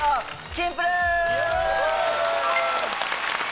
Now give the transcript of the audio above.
『キンプる。』！